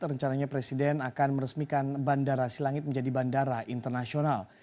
rencananya presiden akan meresmikan bandara silangit menjadi bandara internasional